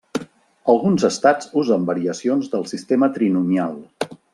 Alguns estats usen variacions del sistema trinomial.